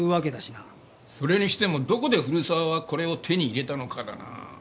それにしてもどこで古沢はこれを手に入れたのかだな。